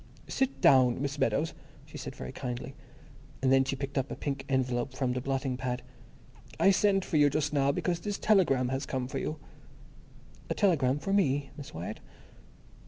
"Sit down, Miss Meadows," she said very kindly. And then she picked up a pink envelope from the blotting pad. "I sent for you just now because this telegram has come for you." "A telegram for me, Miss Wyatt?"